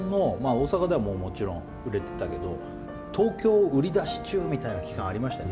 大阪ではもちろん売れてたけど東京売り出し中みたいな期間ありましたよね。